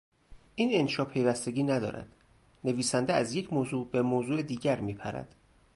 این انشا پیوستگی ندارد; نویسنده از یک موضوع به موضوع دیگر میپرد.